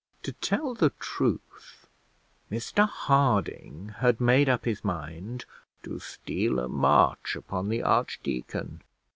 To tell the truth, Mr Harding had made up his mind to steal a march upon the archdeacon.